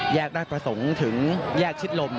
ราชประสงค์ถึงแยกชิดลม